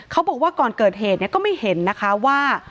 เขาบอกว่าก่อนเกิดเหตุก็ไม่เห็นนะคะว่า